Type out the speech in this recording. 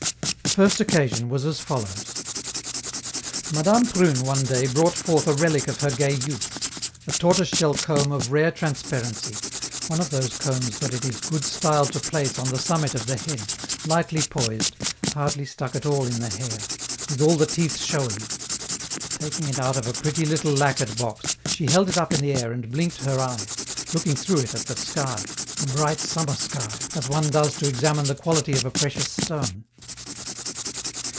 The first occasion was as follows: Madame Prune one day brought forth a relic of her gay youth, a tortoise shell comb of rare transparency, one of those combs that it is good style to place on the summit of the head, lightly poised, hardly stuck at all in the hair, with all the teeth showing. Taking it out of a pretty little lacquered box, she held it up in the air and blinked her eyes, looking through it at the sky a bright summer sky as one does to examine the quality of a precious stone.